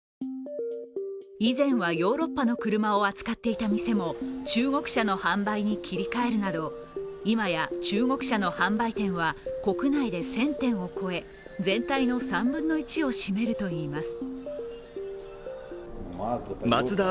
以前はヨーロッパの車を扱っていた店も中国車の販売に切り替えるなど今や中国車の販売店は国内で１０００店を超え全体の３分の１を占めるといいます。